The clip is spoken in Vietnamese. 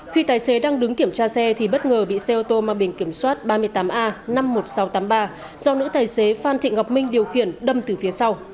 khi tài xế đang đứng kiểm tra xe thì bất ngờ bị xe ô tô mang biển kiểm soát ba mươi tám a năm mươi một nghìn sáu trăm tám mươi ba do nữ tài xế phan thị ngọc minh điều khiển đâm từ phía sau